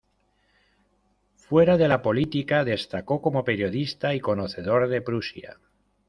Fuera de la política, destacó como periodista y conocedor de Prusia.